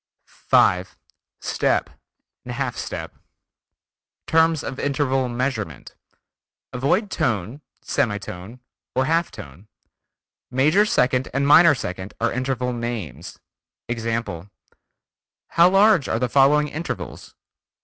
5. Step, Half step: Terms of interval measurement. Avoid tone, semi tone or half tone. Major second and minor second are interval names. Example: How large are the following intervals?